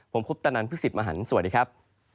ผมพุทธนันทร์พฤศิษฐ์มหันต์สวัสดีครับ